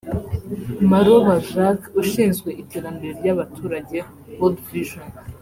Maroba Jacques ushinzwe iterambere ry’abaturage World Vision